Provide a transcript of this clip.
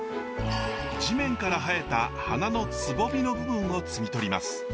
地面から生えた花のつぼみの部分を摘みとります。